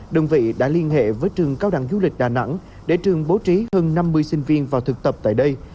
đơn vị đã liên hệ với trường cao đẳng du lịch đà nẵng để trường bố trí hơn năm mươi sinh viên vào thực tập tại đây